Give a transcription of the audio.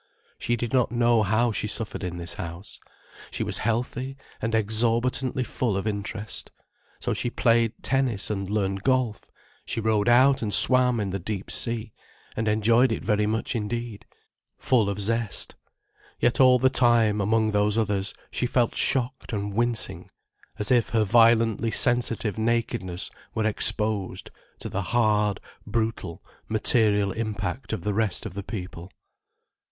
] She did not know how she suffered in this house. She was healthy and exorbitantly full of interest. So she played tennis and learned golf, she rowed out and swam in the deep sea, and enjoyed it very much indeed, full of zest. Yet all the time, among those others, she felt shocked and wincing, as if her violently sensitive nakedness were exposed to the hard, brutal, material impact of the rest of the people.